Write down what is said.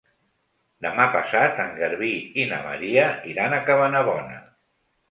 Demà passat en Garbí i na Maria iran a Cabanabona.